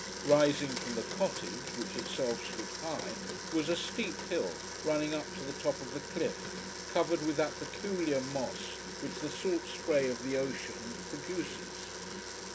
Rising from the cottage, which itself stood high, was a steep hill running up to the top of the cliff, covered with that peculiar moss which the salt spray of the ocean produces.